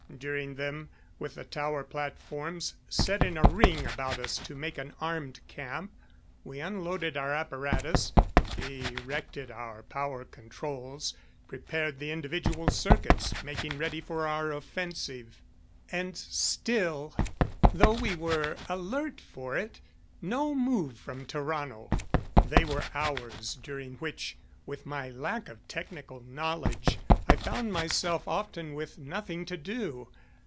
During them, with the tower platforms set in a ring about us to make an armed camp, we unloaded our apparatus, erected our power controls, prepared the individual circuits, making ready for our offensive. And still though we, were alert for it no move from Tarrano. They were hours during which, with my lack of technical knowledge, I found myself often with nothing to do.